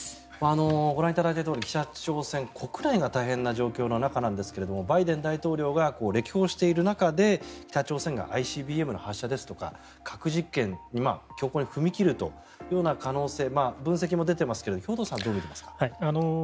ご覧いただいたとおり北朝鮮国内が大変な状況の中なんですがバイデン大統領が歴訪している中で北朝鮮がＩＣＢＭの発射ですとか核実験の強行に踏み切るというような可能性、分析も出ていますが兵頭さんはどう見ていますか。